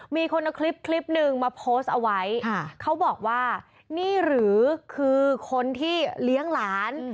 มีคนเอาคลิปคลิปหนึ่งมาโพสต์เอาไว้เขาบอกว่านี่หรือคือคนที่เลี้ยงหลาน